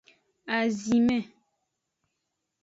Azinme.